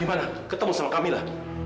gimana ketemu sama kamila